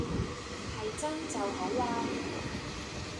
係真就好喇